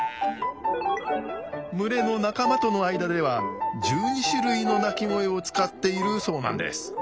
群れの仲間との間では１２種類の鳴き声を使っているそうなんです。